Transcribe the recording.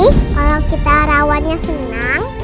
kalau kita rawannya senang